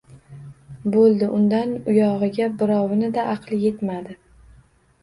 Bo‘ldi — undan uyog‘iga birovini-da aqli yetmadi!